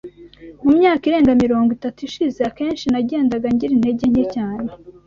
Mu myaka irenga mirongo itatu ishize, akenshi nagendaga ngira intege nke cyane.